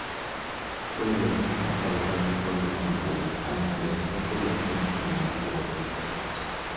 Pueden aparecer de forma espontánea, al estirar ciertos grupos musculares u otros estímulos.